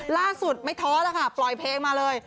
ล่าสุดไม่ท้อแล้วค่ะปล่อยเพลงมาเลย